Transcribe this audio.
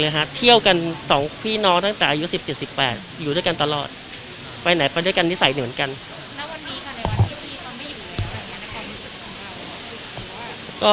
แล้ววันดีกว่าในวันที่พี่เขาไม่อยู่ไหนแล้วอย่างกับการมีชีวิตของเขา